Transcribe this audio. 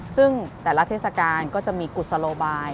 ซึ่งแต่ละเทศกาลก็จะมีกุศโลบาย